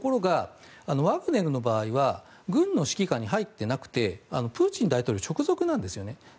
ワグネルの場合は軍の指揮下に入っていなくてプーチン大統領直属なんですよね。